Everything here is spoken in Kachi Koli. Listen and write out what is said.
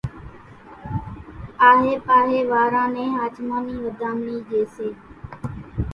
آھي پاھي واران نين ۿاچمان ني وڌامڻي ڄي سي